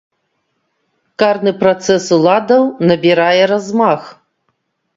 Карны працэс уладаў набірае размах.